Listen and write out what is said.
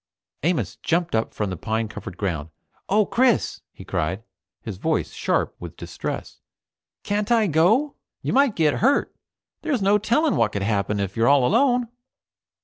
Amos jumped up from the pine covered ground. "Oh, Chris!" he cried, his voice sharp with distress, "can't I go? You might get hurt. There's no telling what could happen if you're all alone!"